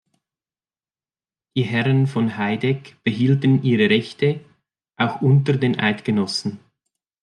Die Herren von Heidegg behielten ihre Rechte auch unter den Eidgenossen.